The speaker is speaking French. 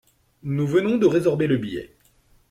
Nous venons de résorber le biais.